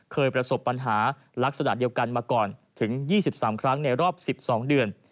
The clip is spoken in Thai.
เคยประสบปัญหาลักษณะเดียวกันมาก่อนถึง๒๓ครั้งในรอบ๑๒เดือน